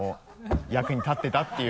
役に立ってたっていう。